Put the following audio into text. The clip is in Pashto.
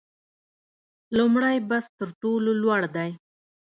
لومړی بست تر ټولو لوړ دی